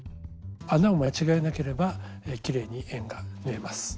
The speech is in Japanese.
穴を間違えなければきれいに円が縫えます。